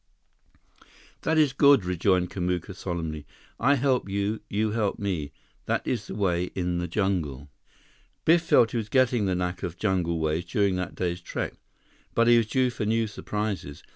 "That is good," rejoined Kamuka solemnly. "I help you. You help me. That is the way in the jungle." Biff felt that he was getting the knack of jungle ways during that day's trek, but he was due for new surprises.